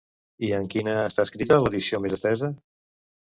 I en quina està escrita l'edició més estesa?